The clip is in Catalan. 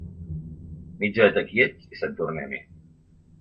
Mitja horeta quiets i sant tornem-hi.